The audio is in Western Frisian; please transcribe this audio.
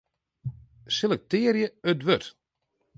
Selektearje it wurd.